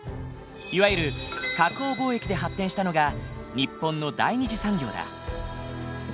いわゆる加工貿易で発展したのが日本の第二次産業だ。